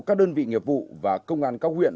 các đơn vị nghiệp vụ và công an các huyện